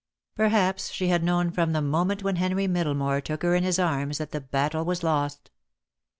Perhaps she had known from the moment when Henry Middlemore took her in his arms that the battle was lost.